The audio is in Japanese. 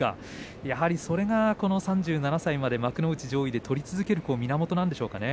それが３７歳まで幕内上位で取り続ける源なんでしょうか。